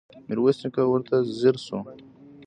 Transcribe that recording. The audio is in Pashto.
ميرويس نيکه ورته ځير شو.